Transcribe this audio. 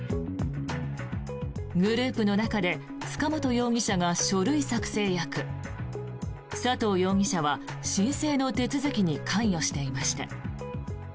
グループの中で塚本容疑者が書類作成役佐藤容疑者は申請の手続きに関与していました。